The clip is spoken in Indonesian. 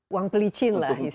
uang pelicin lah istilahnya